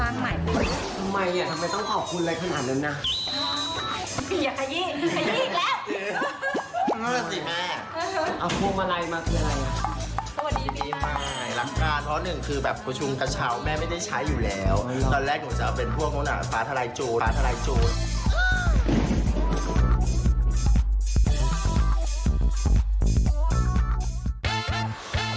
แรงไล่บ้านเดิมแล้วสร้างใหม่